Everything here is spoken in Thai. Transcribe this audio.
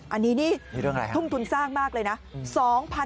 อันนี้นี่ทุ่มทุนสร้างมากเลยนะ